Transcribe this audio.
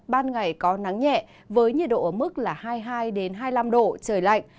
ban ngày có nắng nhẹ với nhiệt độ ở mức là hai mươi hai hai mươi năm độ trời lạnh